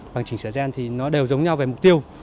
bằng chỉnh sửa gen thì nó đều giống nhau về mục tiêu